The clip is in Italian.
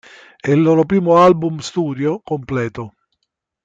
È il loro primo album studio completo.